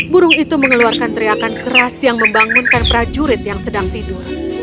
burung itu mengeluarkan teriakan keras yang membangunkan prajurit yang sedang tidur